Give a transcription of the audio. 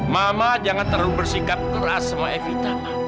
mama jangan terlalu bersikap keras sama evita